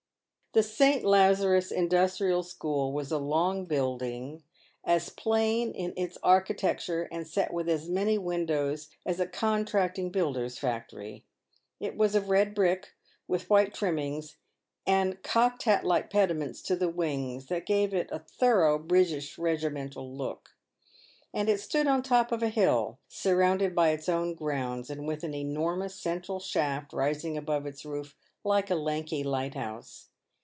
/ The St. Lazarus Industrial School was a long building, as plain in xy iter ircchiitjeUire iikd mek "mX as many windows as a contracting builder's factory. It was of red brick, with white trimmings, and cocked hat like pediments to the wings, that gave it a thorough British regimental look ; and it stood on the top of a hill, surrounded by its own grounds, and with an enormous central shaft rising above its roof like a lanky lighthouse.